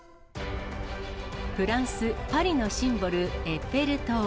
フランス・パリのシンボル、エッフェル塔。